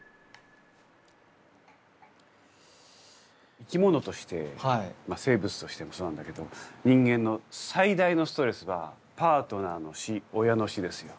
生き物として生物としてもそうなんだけど人間の最大のストレスはパートナーの死親の死ですよ。